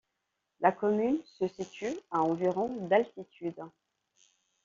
La commune se situe à environ d'altitude.